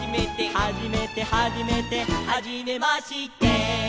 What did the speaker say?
「はじめてはじめて」「はじめまして」